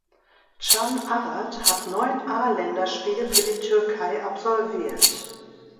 Can Arat hat neun A-Länderspiele für die Türkei absolviert.